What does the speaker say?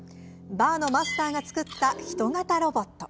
バーのマスターが作った人型ロボット。